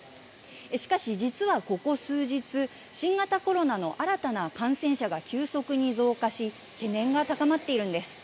しかし、実はここ数日、新型コロナの新たな感染者が急速に増加し、懸念が高まっているんです。